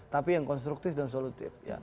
tapi yang konstruktif dan solutif